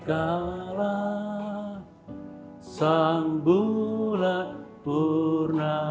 kalah sang bulat purna